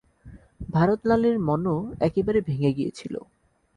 ভারত লালের মনো একেবারে ভেঙ্গে গিয়েছিলো।